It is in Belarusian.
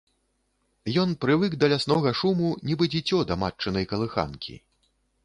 Ён прывык да ляснога шуму, нібы дзіцё да матчынай калыханкі.